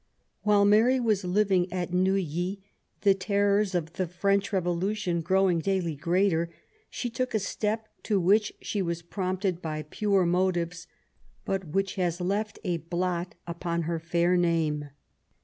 While Mary was living at Neuilly, the terrors of the French Beyolution growing daily greater, she took a step to which she was prompted by pure motives, btit which has left a blot upon her fair fame.